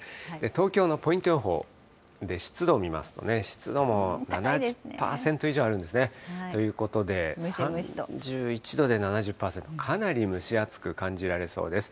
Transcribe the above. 東京のポイント予報で、湿度見ますと、湿度も７０％以上あるんですね。ということで３１度で７０％、かなり蒸し暑く感じられそうです。